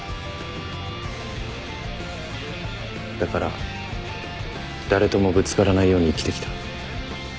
だから誰ともぶつからないように生きてきた。